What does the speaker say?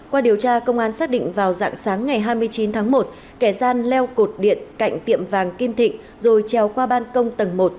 qua điều tra công an xác định vào dạng sáng ngày hai mươi chín tháng một kẻ gian leo cột điện cạnh tiệm vàng kim thịnh rồi treo qua ban công tầng một